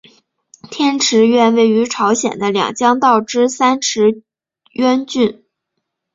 天池院位于朝鲜的两江道之三池渊郡。